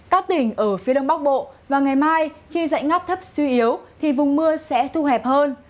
các tỉnh ở phía đông bắc bộ và ngày mai khi dạnh ngắp thấp suy yếu thì vùng mưa sẽ thu hẹp hơn